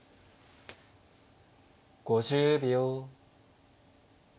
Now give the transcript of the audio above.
５０秒。